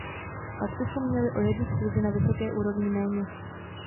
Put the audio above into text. Pak bychom měli o jednu schůzi na vysoké úrovni méně.